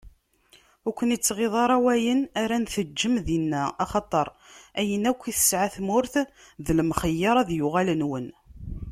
Ur ken-ittɣiḍi ara wayen ara n-teǧǧem dinna, axaṭer ayen akk i tesɛa tmurt d lemxeyyeṛ, ad yuɣal nwen.